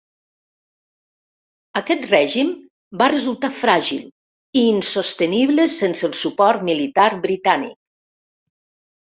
Aquest règim va resultar fràgil, i insostenible sense el suport militar britànic.